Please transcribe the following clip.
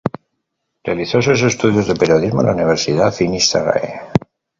Realizó sus estudios de periodismo en la Universidad Finis Terrae.